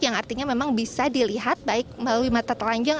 yang artinya memang bisa dilihat baik melalui mata telanjang